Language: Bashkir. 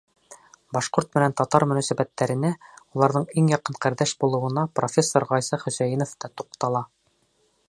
Башҡорт менән татар мөнәсәбәттәренә, уларҙың иң яҡын ҡәрҙәш булыуына профессор Ғайса Хөсәйенов та туҡтала.